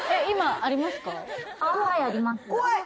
はいあります怖い！